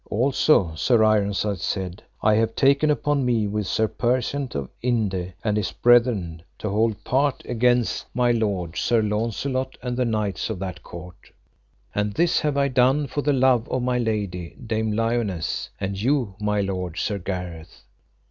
Also Sir Ironside said, I have taken upon me with Sir Persant of Inde and his brethren to hold part against my lord Sir Launcelot and the knights of that court. And this have I done for the love of my lady Dame Lionesse, and you my lord Sir Gareth.